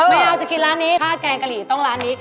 ไม่เอาจะกินร้านนี้ถ้าแกงกะหรี่ต้องร้านนี้